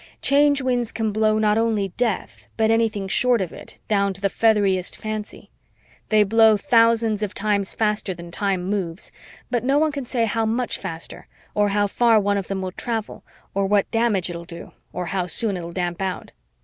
Change Winds can blow not only death but anything short of it, down to the featheriest fancy. They blow thousands of times faster than time moves, but no one can say how much faster or how far one of them will travel or what damage it'll do or how soon it'll damp out.